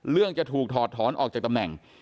จะถูกถอดถอนออกจากตำแหน่ง